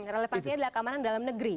relevansinya adalah keamanan dalam negeri